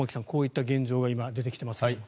こういった現状が今、出てきていますが。